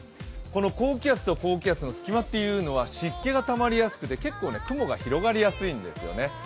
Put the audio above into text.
この高気圧と高気圧の隙間というのは、湿気がたまりやすくて、結構、雲が広がりやすいんですよね